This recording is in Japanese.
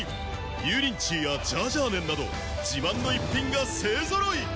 油淋鶏やジャージャー麺など自慢の逸品が勢揃い！